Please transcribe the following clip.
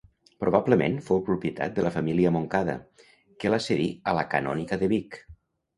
Probablement fou propietat de la família Montcada, que la cedí a la canònica de Vic.